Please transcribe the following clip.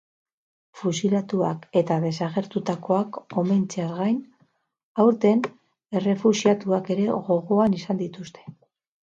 Fusilatuak eta desagertutakoak omentzeaz gain, aurten, errefuxiatuak ere gogoan izan dituzte.